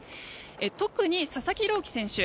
特に、佐々木朗希選手